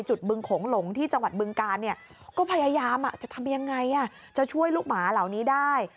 บึงโขงหลงที่จังหวัดบึงการก็พยายามจะทำยังไงจะช่วยลูกหมาเหล่านี้ได้